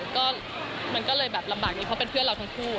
ก็มันก็เลยแบบลำบากนี้เพราะเป็นเพื่อนเราทั้งคู่